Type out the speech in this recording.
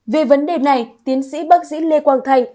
về vấn đề này tiến sĩ bác sĩ lê quang thành